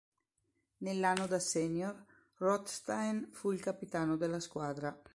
Nell'anno da senior Rothstein fu il capitano della squadra.